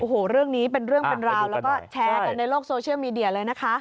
โอ้โหเรื่องนี้เป็นเรื่องเป็นราวแล้วก็แชร์กันในโลกโซเชียลมีเดียเลยนะคะ